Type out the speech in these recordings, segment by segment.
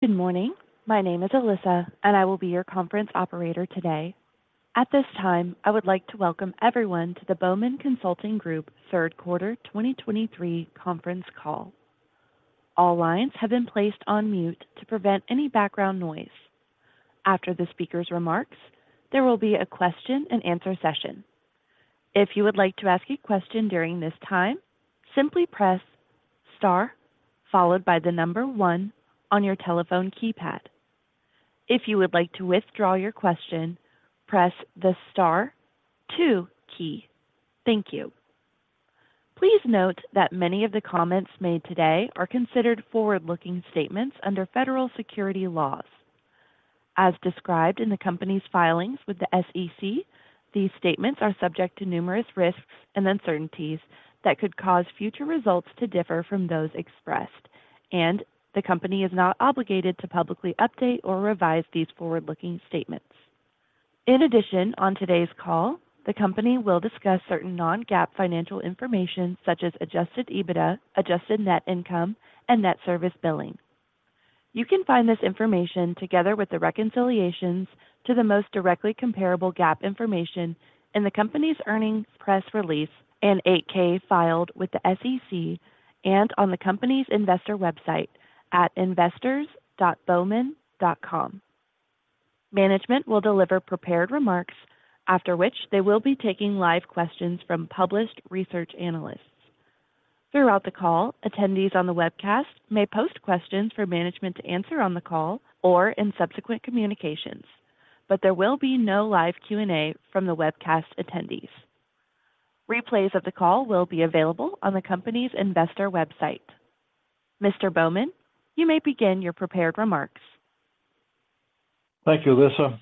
Good morning. My name is Alyssa, and I will be your conference operator today. At this time, I would like to welcome everyone to the Bowman Consulting Group third quarter 2023 conference call. All lines have been placed on mute to prevent any background noise. After the speaker's remarks, there will be a question and answer session. If you would like to ask a question during this time, simply press star, followed by the number one on your telephone keypad. If you would like to withdraw your question, press the star two key. Thank you. Please note that many of the comments made today are considered forward-looking statements under federal securities laws. As described in the company's filings with the SEC, these statements are subject to numerous risks and uncertainties that could cause future results to differ from those expressed, and the company is not obligated to publicly update or revise these forward-looking statements. In addition, on today's call, the company will discuss certain non-GAAP financial information such as Adjusted EBITDA, Adjusted Net Income, and Net Service Billing. You can find this information, together with the reconciliations to the most directly comparable GAAP information in the company's earnings press release and 8-K filed with the SEC and on the company's investor website at investors.bowman.com. Management will deliver prepared remarks, after which they will be taking live questions from published research analysts. Throughout the call, attendees on the webcast may post questions for management to answer on the call or in subsequent communications, but there will be no live Q&A from the webcast attendees. Replays of the call will be available on the company's investor website. Mr. Bowman, you may begin your prepared remarks. Thank you, Alyssa.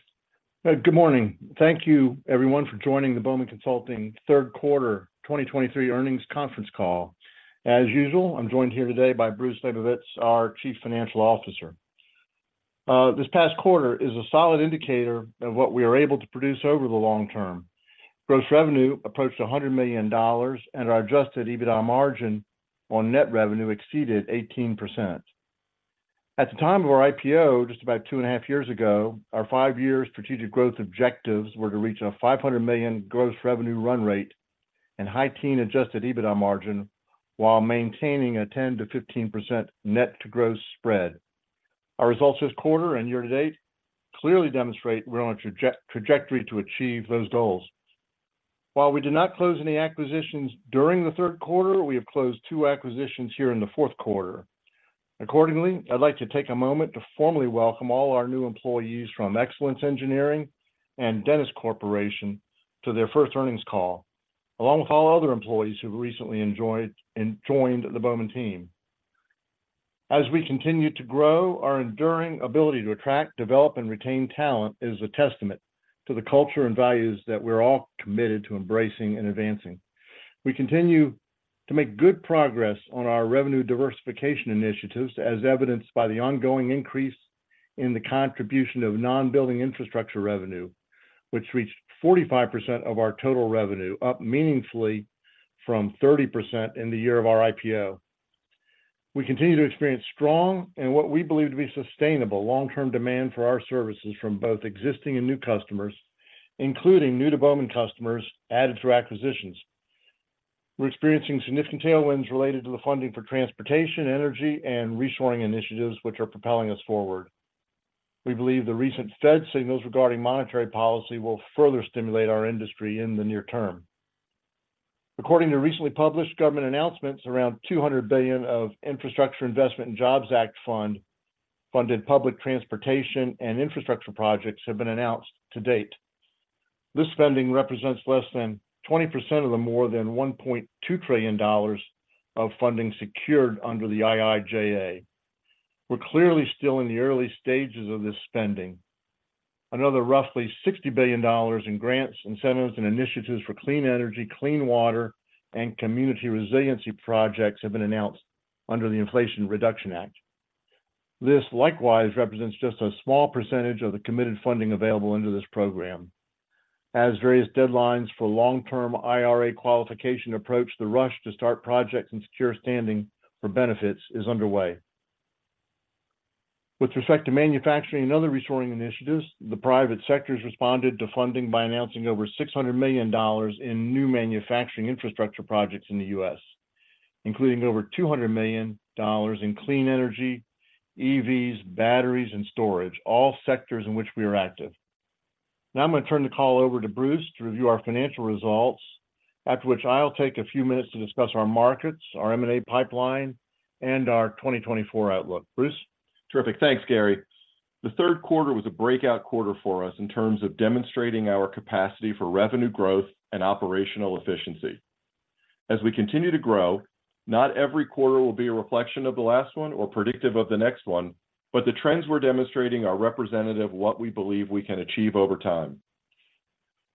Good morning. Thank you everyone for joining the Bowman Consulting third quarter 2023 earnings conference call. As usual, I'm joined here today by Bruce Labovitz, our Chief Financial Officer. This past quarter is a solid indicator of what we are able to produce over the long term. Gross revenue approached $100 million, and our Adjusted EBITDA margin on net revenue exceeded 18%. At the time of our IPO, just about two and a half years ago, our five-year strategic growth objectives were to reach a $500 million gross revenue run rate and high-teens Adjusted EBITDA margin while maintaining a 10%-15% net to gross spread. Our results this quarter and year to date clearly demonstrate we're on a trajectory to achieve those goals. While we did not close any acquisitions during the third quarter, we have closed two acquisitions here in the fourth quarter. Accordingly, I'd like to take a moment to formally welcome all our new employees from Excellence Engineering and Dennis Corporation to their first earnings call, along with all other employees who've recently enjoyed, and joined the Bowman team. As we continue to grow, our enduring ability to attract, develop and retain talent is a testament to the culture and values that we're all committed to embracing and advancing. We continue to make good progress on our revenue diversification initiatives, as evidenced by the ongoing increase in the contribution of non-building infrastructure revenue, which reached 45% of our total revenue, up meaningfully from 30% in the year of our IPO. We continue to experience strong and what we believe to be sustainable long-term demand for our services from both existing and new customers, including new to Bowman customers added through acquisitions. We're experiencing significant tailwinds related to the funding for transportation, energy, and reshoring initiatives, which are propelling us forward. We believe the recent Fed signals regarding monetary policy will further stimulate our industry in the near term. According to recently published government announcements, around $200 billion of Infrastructure Investment and Jobs Act funded public transportation and infrastructure projects have been announced to date. This spending represents less than 20% of the more than $1.2 trillion of funding secured under the IIJA. We're clearly still in the early stages of this spending. Another roughly $60 billion in grants, incentives, and initiatives for clean energy, clean water, and community resiliency projects have been announced under the Inflation Reduction Act. This likewise represents just a small percentage of the committed funding available under this program. As various deadlines for long-term IRA qualification approach, the rush to start projects and secure standing for benefits is underway. With respect to manufacturing and other reshoring initiatives, the private sectors responded to funding by announcing over $600 million in new manufacturing infrastructure projects in the U.S., including over $200 million in clean energy, EVs, batteries and storage, all sectors in which we are active. Now I'm going to turn the call over to Bruce to review our financial results, after which I'll take a few minutes to discuss our markets, our M&A pipeline, and our 2024 outlook. Bruce? Terrific. Thanks, Gary. The third quarter was a breakout quarter for us in terms of demonstrating our capacity for revenue growth and operational efficiency. As we continue to grow, not every quarter will be a reflection of the last one or predictive of the next one, but the trends we're demonstrating are representative of what we believe we can achieve over time.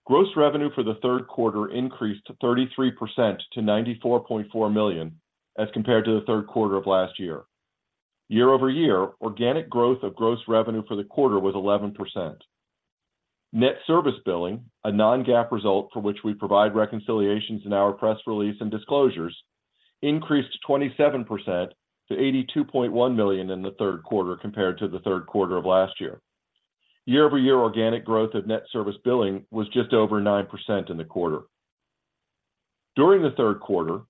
Gross revenue for the third quarter increased 33% to $94.4 million as compared to the third quarter of last year. Year-over-year, organic growth of gross revenue for the quarter was 11%. Net service billing, a non-GAAP result for which we provide reconciliations in our press release and disclosures, increased 27% to $82.1 million in the third quarter compared to the third quarter of last year. Year-over-year organic growth of net service billing was just over 9% in the quarter. During the third quarter,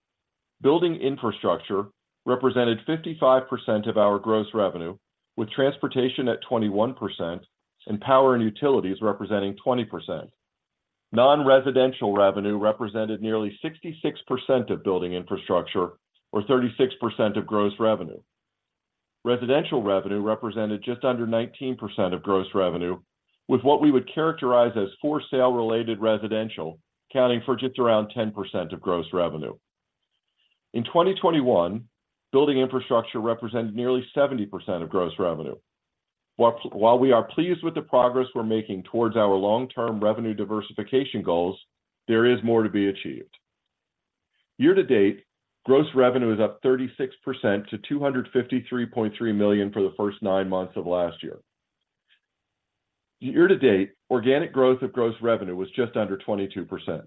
building infrastructure represented 55% of our gross revenue, with transportation at 21% and power and utilities representing 20%. Non-residential revenue represented nearly 66% of building infrastructure or 36% of gross revenue. Residential revenue represented just under 19% of gross revenue, with what we would characterize as for-sale-related residential accounting for just around 10% of gross revenue. In 2021, building infrastructure represented nearly 70% of gross revenue. While we are pleased with the progress we're making towards our long-term revenue diversification goals, there is more to be achieved. Year to date, gross revenue is up 36% to $253.3 million for the first nine months of last year. Year to date, organic growth of gross revenue was just under 22%.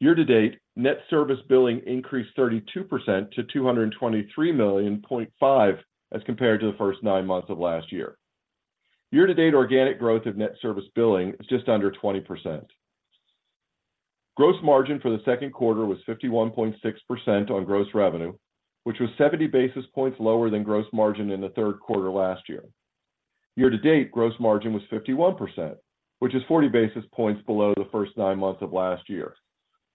Year to date, Net Service Billing increased 32% to $223.5 million as compared to the first nine months of last year. Year to date, organic growth of Net Service Billing is just under 20%. Gross margin for the second quarter was 51.6% on gross revenue, which was 70 basis points lower than gross margin in the third quarter last year. Year to date, gross margin was 51%, which is 40 basis points below the first nine months of last year.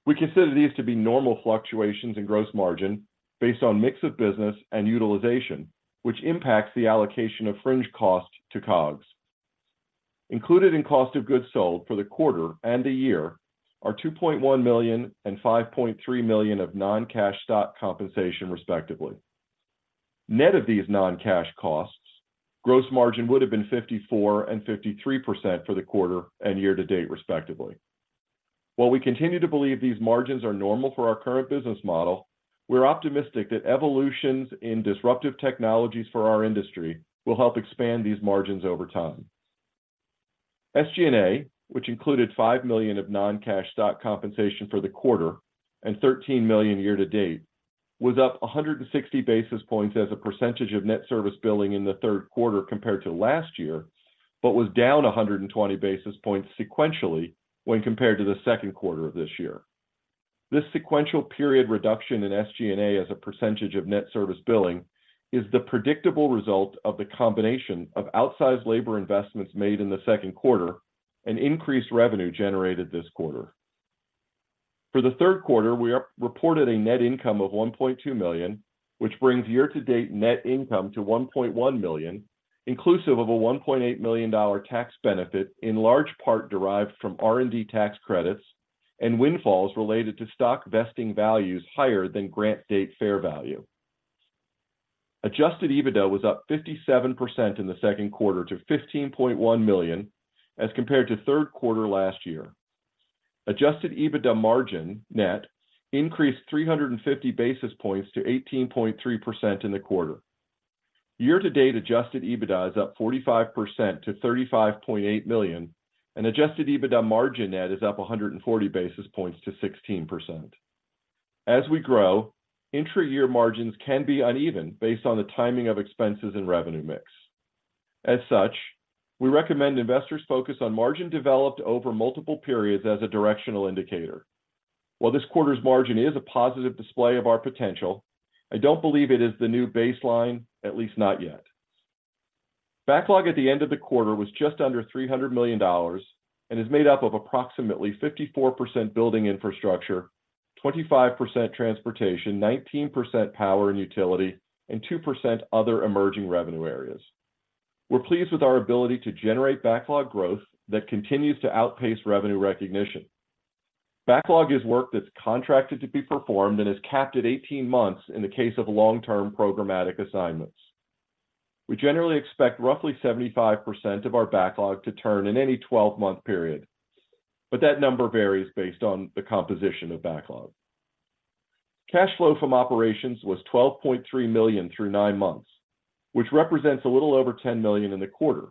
We consider these to be normal fluctuations in gross margin based on mix of business and utilization, which impacts the allocation of fringe costs to COGS. Included in cost of goods sold for the quarter and the year are $2.1 million and $5.3 million of non-cash stock compensation, respectively. Net of these non-cash costs, gross margin would have been 54% and 53% for the quarter and year to date, respectively. While we continue to believe these margins are normal for our current business model, we're optimistic that evolutions in disruptive technologies for our industry will help expand these margins over time. SG&A, which included $5 million of non-cash stock compensation for the quarter and $13 million year to date, was up 160 basis points as a percentage of net service billing in the third quarter compared to last year, but was down 120 basis points sequentially when compared to the second quarter of this year. This sequential period reduction in SG&A as a percentage of net service billing is the predictable result of the combination of outsized labor investments made in the second quarter and increased revenue generated this quarter. For the third quarter, we reported a net income of $1.2 million, which brings year-to-date net income to $1.1 million, inclusive of a $1.8 million tax benefit, in large part derived from R&D tax credits and windfalls related to stock vesting values higher than grant date fair value. Adjusted EBITDA was up 57% in the second quarter to $15.1 million, as compared to third quarter last year. Adjusted EBITDA margin net increased 350 basis points to 18.3% in the quarter. Year to date, adjusted EBITDA is up 45% to $35.8 million, and adjusted EBITDA margin net is up 140 basis points to 16%. As we grow, intra-year margins can be uneven based on the timing of expenses and revenue mix. As such, we recommend investors focus on margin developed over multiple periods as a directional indicator. While this quarter's margin is a positive display of our potential, I don't believe it is the new baseline, at least not yet. Backlog at the end of the quarter was just under $300 million and is made up of approximately 54% building infrastructure, 25% transportation, 19% power and utility, and 2% other emerging revenue areas. We're pleased with our ability to generate backlog growth that continues to outpace revenue recognition. Backlog is work that's contracted to be performed and is capped at 18 months in the case of long-term programmatic assignments. We generally expect roughly 75% of our backlog to turn in any 12-month period, but that number varies based on the composition of backlog. Cash flow from operations was $12.3 million through 9 months, which represents a little over $10 million in the quarter.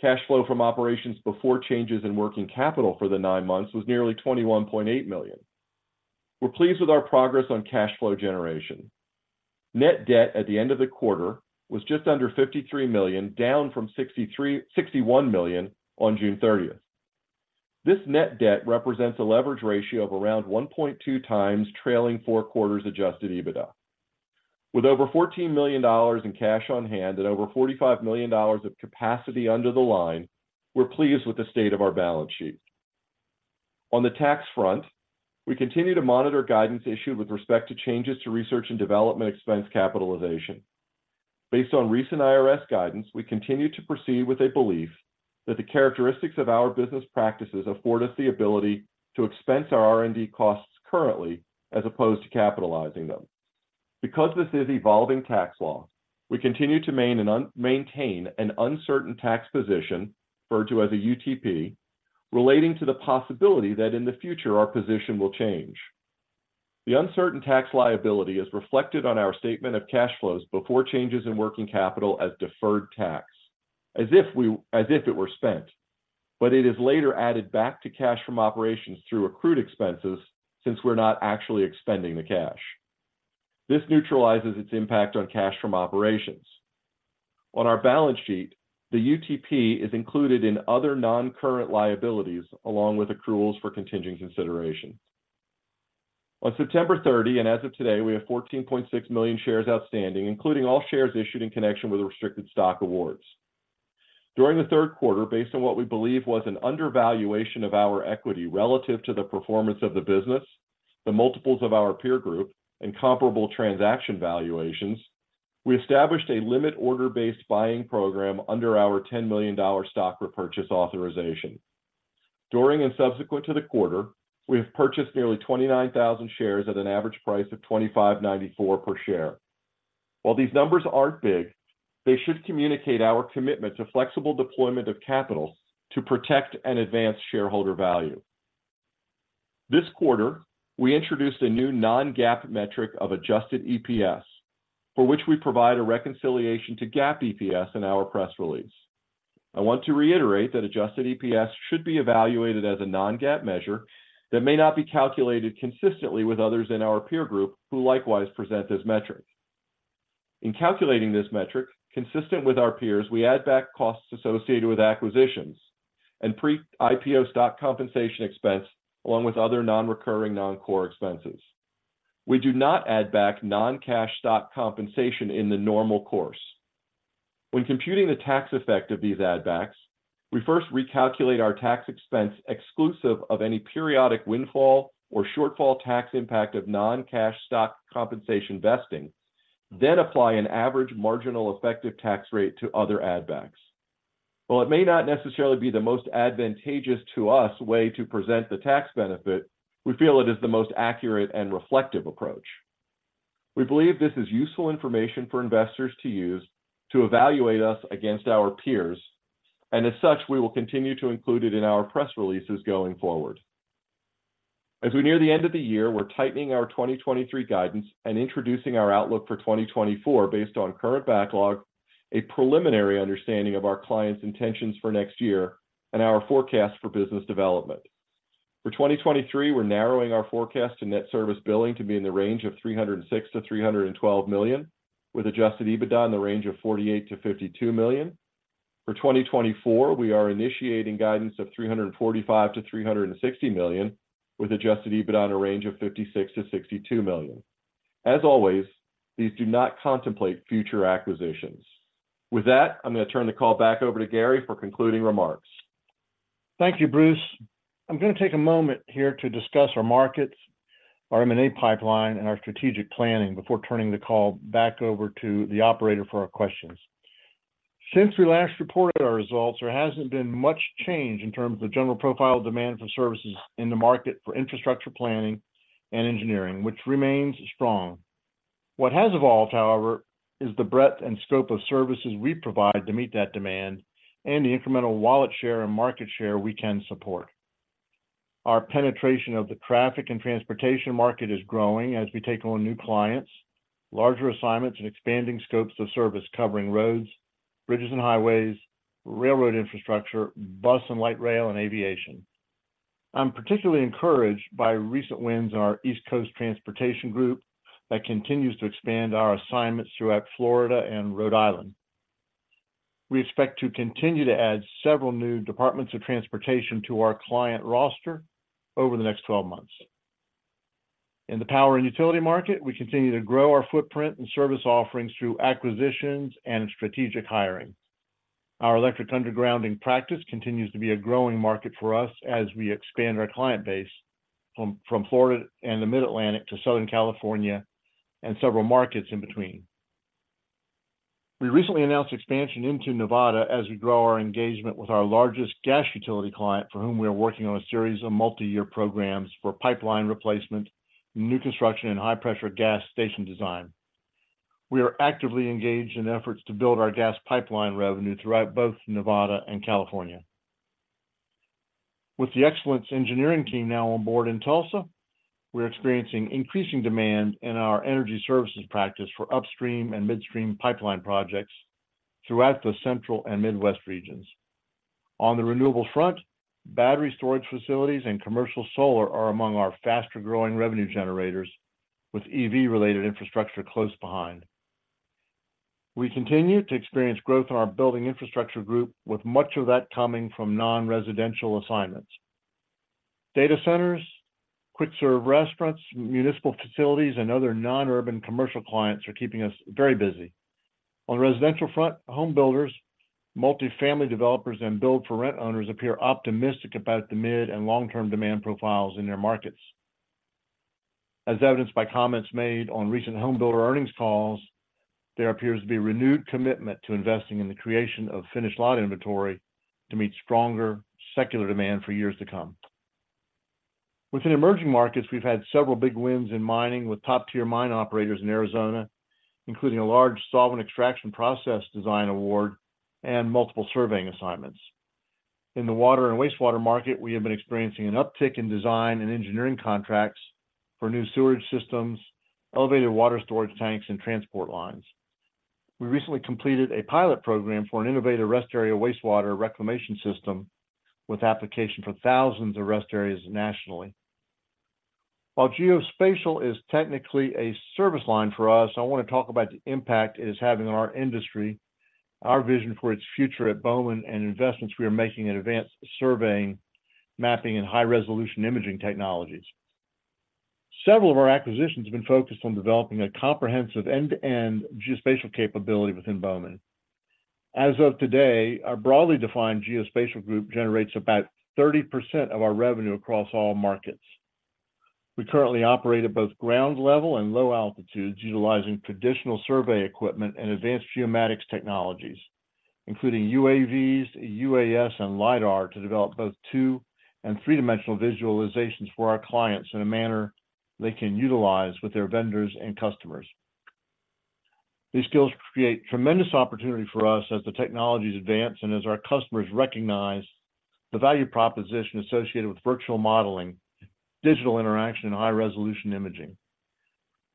Cash flow from operations before changes in working capital for the 9 months was nearly $21.8 million. We're pleased with our progress on cash flow generation. Net debt at the end of the quarter was just under $53 million, down from $63 million-$61 million on June 30. This net debt represents a leverage ratio of around 1.2x trailing 4 quarters Adjusted EBITDA. With over $14 million in cash on hand and over $45 million of capacity under the line, we're pleased with the state of our balance sheet. On the tax front, we continue to monitor guidance issued with respect to changes to research and development expense capitalization. Based on recent IRS guidance, we continue to proceed with a belief that the characteristics of our business practices afford us the ability to expense our R&D costs currently, as opposed to capitalizing them. Because this is evolving tax law, we continue to maintain an uncertain tax position, referred to as a UTP, relating to the possibility that in the future, our position will change. The uncertain tax liability is reflected on our statement of cash flows before changes in working capital as deferred tax, as if it were spent. It is later added back to cash from operations through accrued expenses since we're not actually expending the cash. This neutralizes its impact on cash from operations. On our balance sheet, the UTP is included in other non-current liabilities, along with accruals for contingent consideration. On September 30, and as of today, we have 14.6 million shares outstanding, including all shares issued in connection with restricted stock awards. During the third quarter, based on what we believe was an undervaluation of our equity relative to the performance of the business, the multiples of our peer group, and comparable transaction valuations, we established a limit order-based buying program under our $10 million stock repurchase authorization. During and subsequent to the quarter, we have purchased nearly 29,000 shares at an average price of $25.94 per share. While these numbers aren't big, they should communicate our commitment to flexible deployment of capital to protect and advance shareholder value. This quarter, we introduced a new non-GAAP metric of adjusted EPS, for which we provide a reconciliation to GAAP EPS in our press release. I want to reiterate that adjusted EPS should be evaluated as a non-GAAP measure that may not be calculated consistently with others in our peer group who likewise present this metric. In calculating this metric, consistent with our peers, we add back costs associated with acquisitions and pre-IPO stock compensation expense, along with other non-recurring non-core expenses. We do not add back non-cash stock compensation in the normal course. When computing the tax effect of these add backs, we first recalculate our tax expense exclusive of any periodic windfall or shortfall tax impact of non-cash stock compensation vesting, then apply an average marginal effective tax rate to other add backs. While it may not necessarily be the most advantageous to us way to present the tax benefit, we feel it is the most accurate and reflective approach. We believe this is useful information for investors to use to evaluate us against our peers, and as such, we will continue to include it in our press releases going forward. As we near the end of the year, we're tightening our 2023 guidance and introducing our outlook for 2024 based on current backlog, a preliminary understanding of our clients' intentions for next year, and our forecast for business development. For 2023, we're narrowing our forecast to Net Service Billing to be in the range of $306 million-$312 million, with Adjusted EBITDA in the range of $48 million-$52 million. For 2024, we are initiating guidance of $345 million-$360 million, with Adjusted EBITDA in a range of $56 million-$62 million. As always, these do not contemplate future acquisitions. With that, I'm going to turn the call back over to Gary for concluding remarks. Thank you, Bruce. I'm going to take a moment here to discuss our markets, our M&A pipeline, and our strategic planning before turning the call back over to the operator for our questions. Since we last reported our results, there hasn't been much change in terms of the general profile demand for services in the market for infrastructure planning and engineering, which remains strong. What has evolved, however, is the breadth and scope of services we provide to meet that demand and the incremental wallet share and market share we can support. Our penetration of the traffic and transportation market is growing as we take on new clients, larger assignments, and expanding scopes of service covering roads, bridges and highways, railroad infrastructure, bus and light rail, and aviation. I'm particularly encouraged by recent wins in our East Coast transportation group that continues to expand our assignments throughout Florida and Rhode Island. We expect to continue to add several new departments of transportation to our client roster over the next 12 months. In the power and utility market, we continue to grow our footprint and service offerings through acquisitions and strategic hiring. Our electric undergrounding practice continues to be a growing market for us as we expand our client base from Florida and the Mid-Atlantic to Southern California and several markets in between. We recently announced expansion into Nevada as we grow our engagement with our largest gas utility client, for whom we are working on a series of multi-year programs for pipeline replacement, new construction, and high-pressure gas station design. We are actively engaged in efforts to build our gas pipeline revenue throughout both Nevada and California. With the Excellence Engineering team now on board in Tulsa, we're experiencing increasing demand in our energy services practice for upstream and midstream pipeline projects throughout the Central and Midwest regions. On the renewable front, battery storage facilities and commercial solar are among our faster-growing revenue generators, with EV-related infrastructure close behind. We continue to experience growth in our building infrastructure group, with much of that coming from non-residential assignments. Data centers, quick-serve restaurants, municipal facilities, and other non-urban commercial clients are keeping us very busy. On the residential front, home builders, multifamily developers, and build-for-rent owners appear optimistic about the mid- and long-term demand profiles in their markets. As evidenced by comments made on recent home builder earnings calls, there appears to be renewed commitment to investing in the creation of finished lot inventory to meet stronger secular demand for years to come. Within emerging markets, we've had several big wins in mining with top-tier mine operators in Arizona, including a large solvent extraction process design award and multiple surveying assignments. In the water and wastewater market, we have been experiencing an uptick in design and engineering contracts for new sewage systems, elevated water storage tanks, and transport lines. We recently completed a pilot program for an innovative rest area wastewater reclamation system, with application for thousands of rest areas nationally. While geospatial is technically a service line for us, I want to talk about the impact it is having on our industry, our vision for its future at Bowman, and investments we are making in advanced surveying, mapping, and high-resolution imaging technologies. Several of our acquisitions have been focused on developing a comprehensive end-to-end geospatial capability within Bowman. As of today, our broadly defined geospatial group generates about 30% of our revenue across all markets. We currently operate at both ground level and low altitudes, utilizing traditional survey equipment and advanced geomatics technologies, including UAVs, UAS, and LiDAR, to develop both two- and three-dimensional visualizations for our clients in a manner they can utilize with their vendors and customers. These skills create tremendous opportunity for us as the technologies advance and as our customers recognize the value proposition associated with virtual modeling, digital interaction, and high-resolution imaging.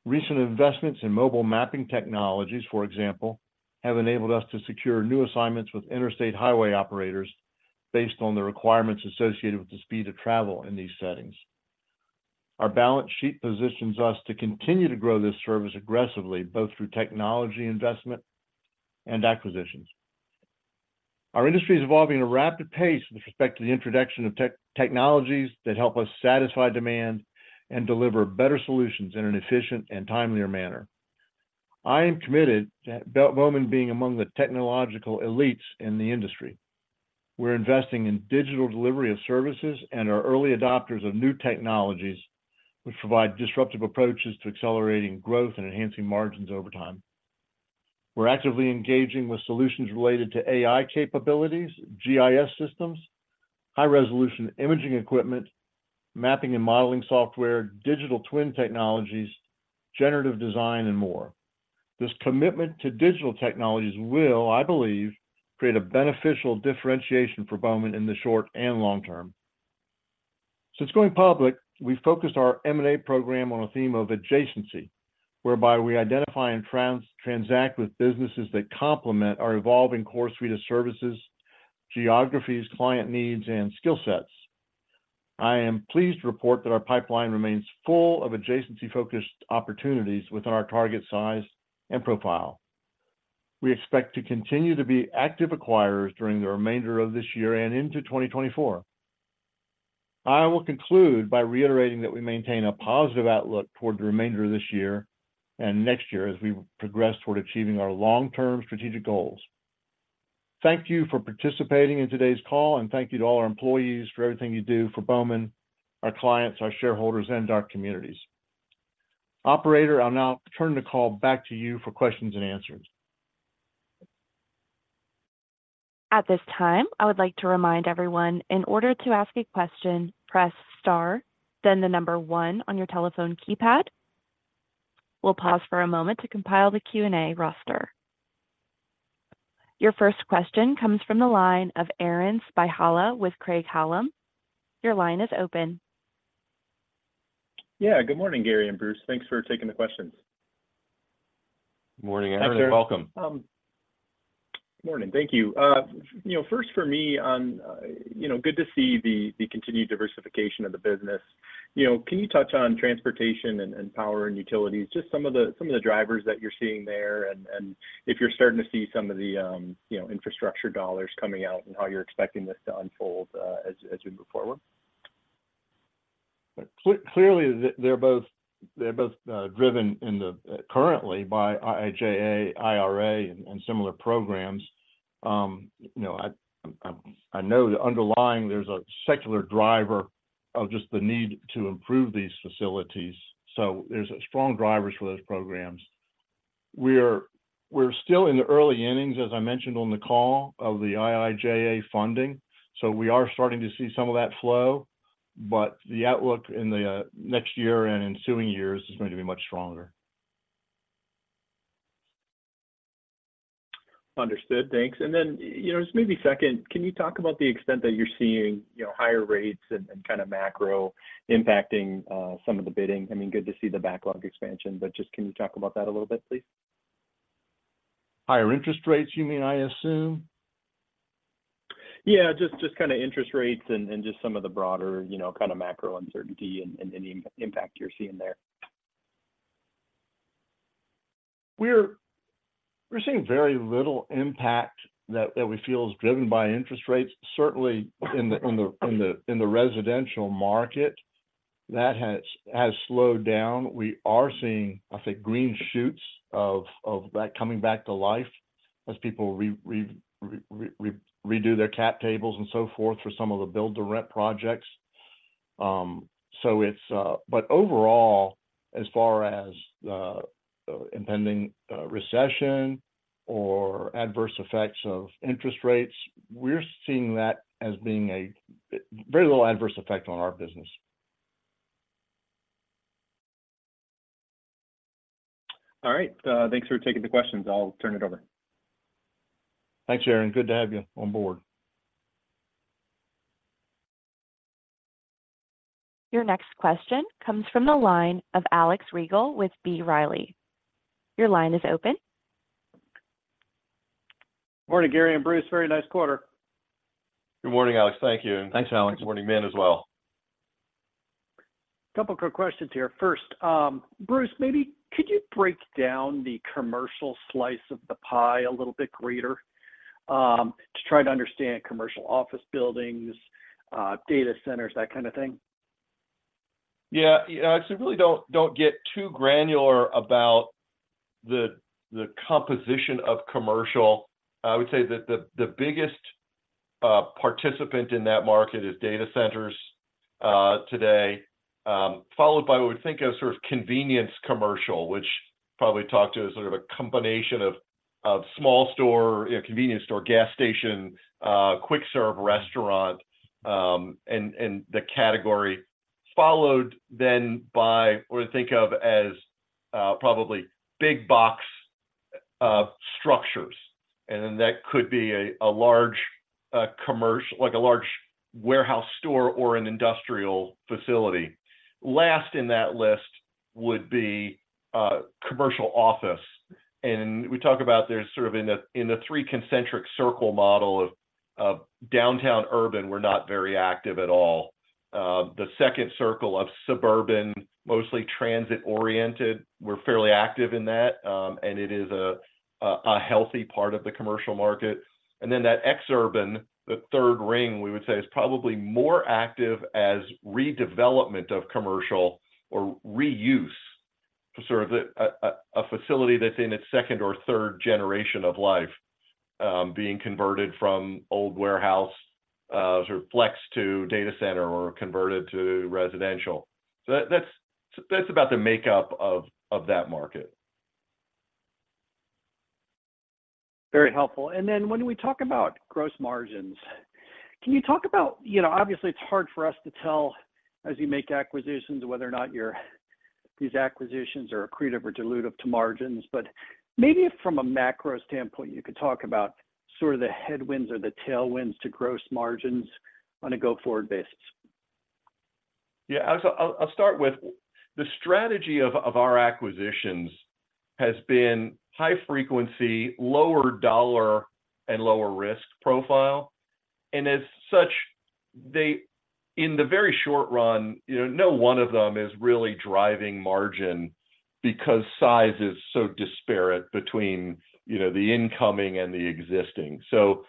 Recent investments in mobile mapping technologies, for example, have enabled us to secure new assignments with interstate highway operators based on the requirements associated with the speed of travel in these settings. Our balance sheet positions us to continue to grow this service aggressively, both through technology investment and acquisitions. Our industry is evolving at a rapid pace with respect to the introduction of technologies that help us satisfy demand and deliver better solutions in an efficient and timelier manner. I am committed to Bowman being among the technological elites in the industry. We're investing in digital delivery of services and are early adopters of new technologies, which provide disruptive approaches to accelerating growth and enhancing margins over time. We're actively engaging with solutions related to AI capabilities, GIS systems, high-resolution imaging equipment, mapping and modeling software, digital twin technologies, generative design, and more. This commitment to digital technologies will, I believe, create a beneficial differentiation for Bowman in the short and long term. Since going public, we've focused our M&A program on a theme of adjacency, whereby we identify and transact with businesses that complement our evolving core suite of services, geographies, client needs, and skill sets. I am pleased to report that our pipeline remains full of adjacency-focused opportunities within our target size and profile. We expect to continue to be active acquirers during the remainder of this year and into 2024. I will conclude by reiterating that we maintain a positive outlook toward the remainder of this year and next year as we progress toward achieving our long-term strategic goals. Thank you for participating in today's call, and thank you to all our employees for everything you do for Bowman, our clients, our shareholders, and our communities. Operator, I'll now turn the call back to you for questions and answers. At this time, I would like to remind everyone, in order to ask a question, press star, then the number one on your telephone keypad. We'll pause for a moment to compile the Q&A roster. Your first question comes from the line of Aaron Spychalla with Craig-Hallum. Your line is open. Yeah, good morning, Gary and Bruce. Thanks for taking the questions. Morning, Aaron, and welcome. Morning. Thank you. You know, first for me on, you know, good to see the continued diversification of the business. You know, can you touch on transportation and power and utilities, just some of the drivers that you're seeing there, and if you're starting to see some of the, you know, infrastructure dollars coming out and how you're expecting this to unfold, as we move forward? Clearly, they're both, they're both driven currently by IIJA, IRA, and similar programs. You know, I know that underlying there's a secular driver of just the need to improve these facilities, so there's strong drivers for those programs. We're still in the early innings, as I mentioned on the call, of the IIJA funding, so we are starting to see some of that flow, but the outlook in the next year and ensuing years is going to be much stronger. Understood. Thanks. And then, you know, just maybe second, can you talk about the extent that you're seeing, you know, higher rates and kind of macro impacting some of the bidding? I mean, good to see the backlog expansion, but just can you talk about that a little bit, please? Higher interest rates, you mean, I assume? Yeah, just kind of interest rates and just some of the broader, you know, kind of macro uncertainty and any impact you're seeing there. We're seeing very little impact that we feel is driven by interest rates. Certainly, in the residential market, that has slowed down. We are seeing, I think, green shoots of that coming back to life as people redo their cap tables and so forth for some of the build-to-rent projects. So it's. But overall, as far as impending recession or adverse effects of interest rates, we're seeing that as being a very little adverse effect on our business. All right, thanks for taking the questions. I'll turn it over. Thanks, Aaron. Good to have you on board. Your next question comes from the line of Alex Rygiel with B. Riley. Your line is open. Morning, Gary and Bruce. Very nice quarter. Good morning, Alex. Thank you. Thanks, Alex. Good morning, ma'am, as well. Couple quick questions here. First, Bruce, maybe could you break down the commercial slice of the pie a little bit greater, to try to understand commercial office buildings, data centers, that kind of thing? Yeah, so we really don't get too granular about the composition of commercial. I would say that the biggest participant in that market is data centers today, followed by what we think of sort of convenience commercial, which probably talked to as sort of a combination of small store, you know, convenience store, gas station, quick serve restaurant, and the category. Followed then by what we think of as probably big box structures, and then that could be a large commercial. Like a large warehouse store or an industrial facility. Last in that list would be commercial office, and we talk about there's sort of in the three concentric circle model of downtown urban, we're not very active at all. The second circle of suburban, mostly transit-oriented, we're fairly active in that, and it is a healthy part of the commercial market. And then that exurban, the third ring, we would say is probably more active as redevelopment of commercial or reuse for sort of a facility that's in its second or third generation of life, being converted from old warehouse, sort of flex to data center or converted to residential. So that's about the makeup of that market. Very helpful. And then when we talk about gross margins, can you talk about. You know, obviously, it's hard for us to tell, as you make acquisitions, whether or not your, these acquisitions are accretive or dilutive to margins. But maybe from a macro standpoint, you could talk about sort of the headwinds or the tailwinds to gross margins on a go-forward basis. Yeah, so I'll start with the strategy of our acquisitions has been high frequency, lower dollar, and lower risk profile. And as such, they in the very short run, you know, no one of them is really driving margin because size is so disparate between, you know, the incoming and the existing. So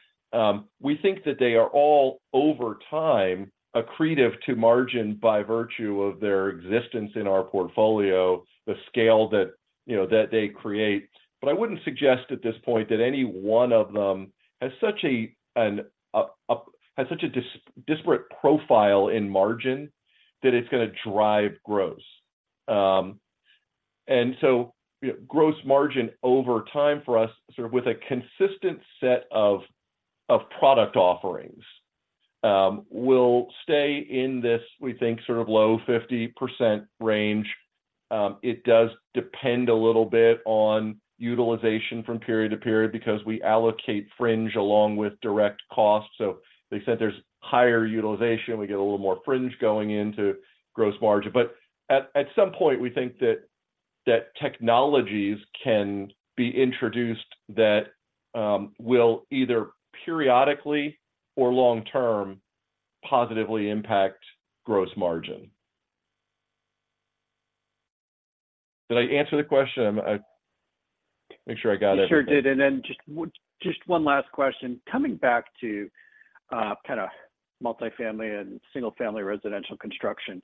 we think that they are all over time accretive to margin by virtue of their existence in our portfolio, the scale that, you know, that they create. But I wouldn't suggest at this point that any one of them has such a disparate profile in margin that it's gonna drive gross. And so, you know, gross margin over time for us, sort of with a consistent set of product offerings, will stay in this, we think, sort of low 50% range. It does depend a little bit on utilization from period to period because we allocate fringe along with direct costs. So they said there's higher utilization, we get a little more fringe going into gross margin. But at some point, we think that technologies can be introduced that will either periodically or long term positively impact gross margin. Did I answer the question? Make sure I got everything. You sure did. And then just one last question. Coming back to kind of multifamily and single-family residential construction,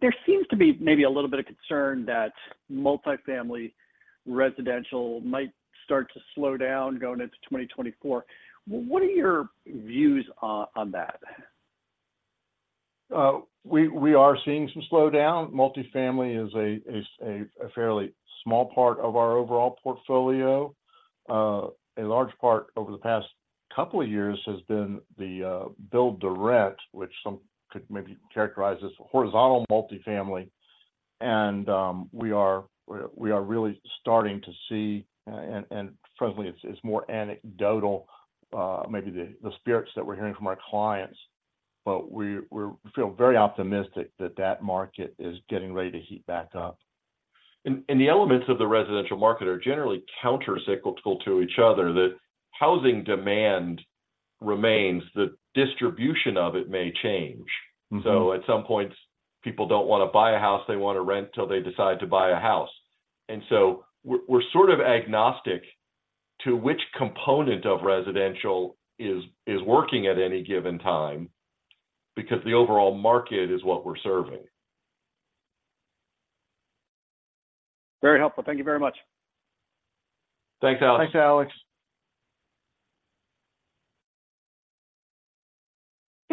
there seems to be maybe a little bit of concern that multifamily residential might start to slow down going into 2024. What are your views on that? We are seeing some slowdown. Multifamily is a fairly small part of our overall portfolio. A large part over the past couple of years has been the build to rent, which some could maybe characterize as horizontal multifamily. We are really starting to see, and frankly, it's more anecdotal, maybe the spirits that we're hearing from our clients, but we feel very optimistic that that market is getting ready to heat back up. The elements of the residential market are generally countercyclical to each other, that housing demand remains, the distribution of it may change. So at some point, people don't want to buy a house, they want to rent till they decide to buy a house. And so we're sort of agnostic to which component of residential is working at any given time because the overall market is what we're serving. Very helpful. Thank you very much. Thanks, Alex.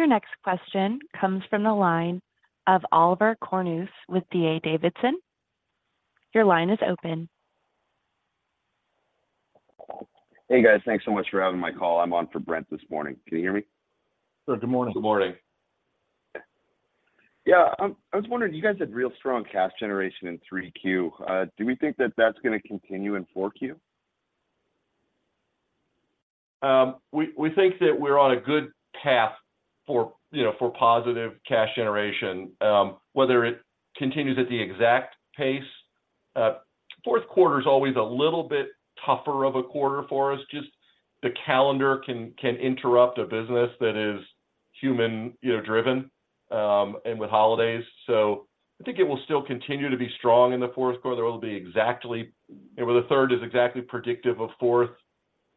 Thanks, Alex. Your next question comes from the line of Oliver Chornous with D.A. Davidson. Your line is open. Hey, guys. Thanks so much for having my call. I'm on for Brent this morning. Can you hear me? Sir, good morning. Good morning. Yeah, I was wondering, you guys had real strong cash generation in 3Q. Do we think that that's gonna continue in Q4? We think that we're on a good path for, you know, for positive cash generation. Whether it continues at the exact pace, fourth quarter is always a little bit tougher of a quarter for us, just the calendar can interrupt a business that is human, you know, driven, and with holidays. So I think it will still continue to be strong in the fourth quarter. Whether it'll be exactly, whether the third is exactly predictive of fourth,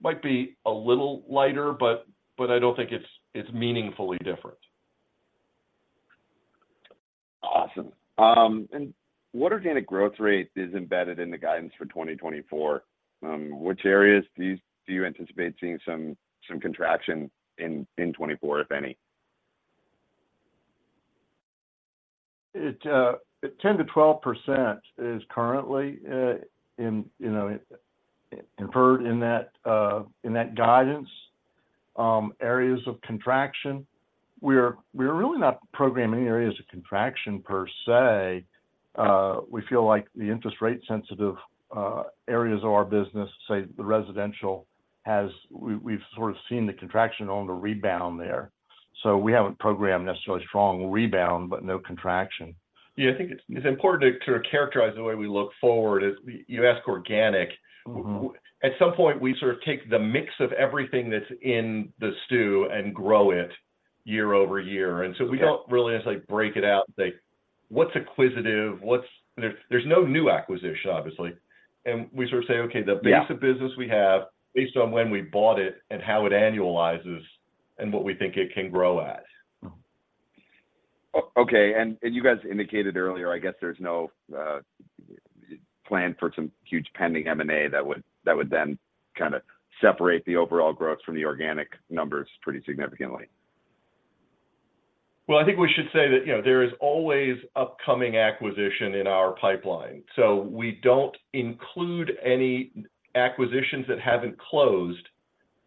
might be a little lighter, but I don't think it's meaningfully different. Awesome. And what organic growth rate is embedded in the guidance for 2024? Which areas do you anticipate seeing some contraction in 2024, if any? It, 10%-12% is currently in, you know, inferred in that guidance. Areas of contraction, we're really not programming any areas of contraction per se. We feel like the interest rate-sensitive areas of our business, say, the residential, has we've, we've sort of seen the contraction on the rebound there. So we haven't programmed necessarily a strong rebound, but no contraction. Yeah, I think it's important to characterize the way we look forward. As you ask organic at some point, we sort of take the mix of everything that's in the stew and grow it year-over-year. Yeah. And so we don't really necessarily break it out and say, "What's acquisitive? What's..." There's, there's no new acquisition, obviously. And we sort of say, "Okay, the base of business we have, based on when we bought it and how it annualizes and what we think it can grow at. Okay, and you guys indicated earlier, I guess there's no plan for some huge pending M&A that would then kind of separate the overall growth from the organic numbers pretty significantly. Well, I think we should say that, you know, there is always upcoming acquisition in our pipeline. So we don't include any acquisitions that haven't closed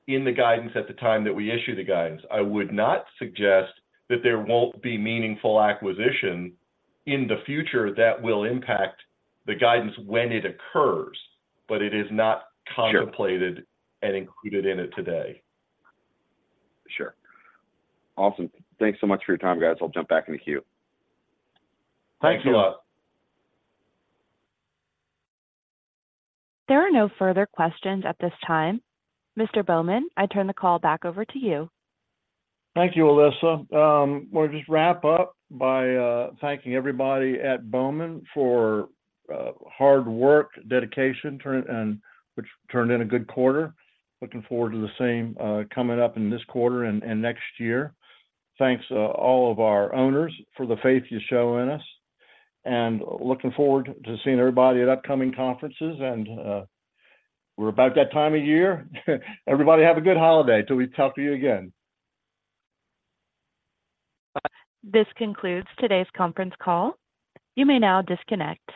in the guidance at the time that we issue the guidance. I would not suggest that there won't be meaningful acquisition in the future that will impact the guidance when it occurs, but it is not contemplated and included in it today. Sure. Awesome. Thanks so much for your time, guys. I'll jump back in the queue. Thank you. Thank you. There are no further questions at this time. Mr. Bowman, I turn the call back over to you. Thank you, Alyssa. We'll just wrap up by thanking everybody at Bowman for hard work, dedication, turn, and which turned in a good quarter. Looking forward to the same, coming up in this quarter and next year. Thanks all of our owners for the faith you show in us, and looking forward to seeing everybody at upcoming conferences. And we're about that time of year. Everybody have a good holiday till we talk to you again. This concludes today's conference call. You may now disconnect.